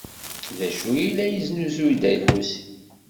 D acu ay la yesnuzuy Dda Lḥusin?